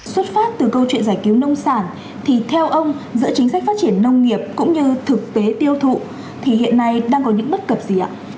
xuất phát từ câu chuyện giải cứu nông sản thì theo ông giữa chính sách phát triển nông nghiệp cũng như thực tế tiêu thụ thì hiện nay đang có những bất cập gì ạ